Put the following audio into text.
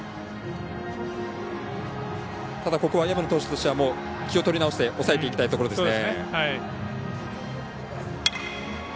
ただここは薮野投手としては気を取り直して抑えていきたいですね。